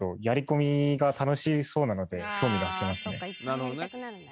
なるほどね。